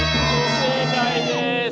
不正解です。